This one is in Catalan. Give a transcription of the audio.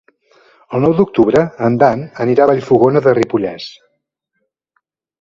El nou d'octubre en Dan anirà a Vallfogona de Ripollès.